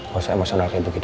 gak usah emosional kayak begitu